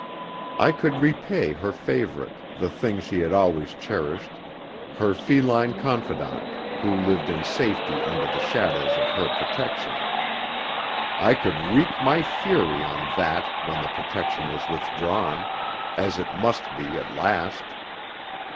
I could repay her favourite, the thing she had always cherished, her feline confidant, who lived in safety under the shadow of her protection. I could wreak my fury on that when the protection was withdrawn, as it must be at last.